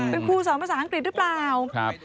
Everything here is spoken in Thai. เป็นครูสอนภาษาอังกฤษหรือเปล่า